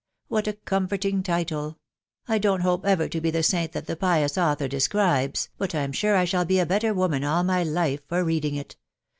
'.... what a comforting title !.«.« I don't hope ever to be the saint that the pious author describes, hut I'm sure I shall be a better woman all my life for reading it